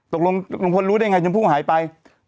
ตกลงลุงพลรู้ได้ไงชมพู่หายไป